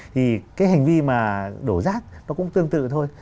thì cái hành vi mà đổ rác nó cũng tương tự thôi